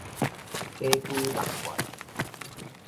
假鬼六怪